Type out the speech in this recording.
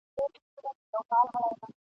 نه پنځه یو نه پنځه زره کلن یو ..